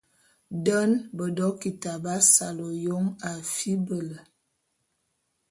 Den bedokita b'asal ôyôn a fibele.